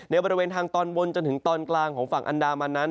บริเวณทางตอนบนจนถึงตอนกลางของฝั่งอันดามันนั้น